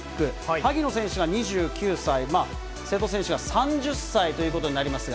萩野選手が２９歳、瀬戸選手が３０歳ということになりますが。